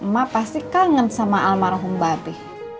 mak pasti kangen sama almarhum mba be